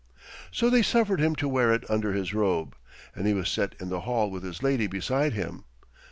So they suffered him to wear it under his robe, and he was set in the hall with his lady beside him.